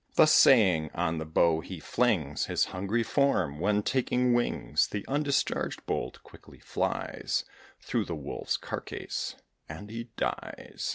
Thus saying, on the bow he flings His hungry form; when, taking wings, The undischarged bolt quickly flies Through the Wolf's carcase, and he dies.